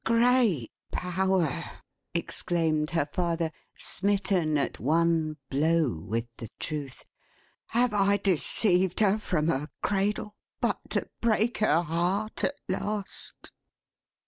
"Great Power!" exclaimed her father, smitten at one blow with the truth, "have I deceived her from her cradle, but to break her heart at last!"